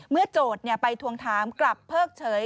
โจทย์ไปทวงถามกลับเพิกเฉย